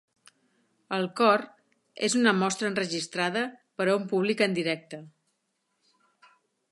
El cor és una mostra enregistrada per a un públic en directe.